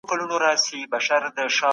د ماشومانو ساتنه لومړی شرط دی.